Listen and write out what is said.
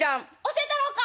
「教たろか？」。